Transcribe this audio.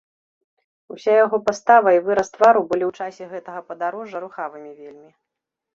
Уся яго пастава і выраз твару былі ў часе гэтага падарожжа рухавымі вельмі.